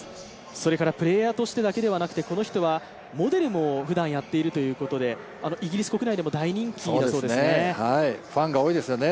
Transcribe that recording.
それからプレーヤーとしてだけではなくて、この人はモデルもふだんやっているということでイギリス国内でも大人気だそうですね。